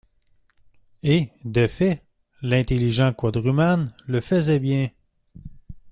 Et, de fait, l’intelligent quadrumane le faisait bien !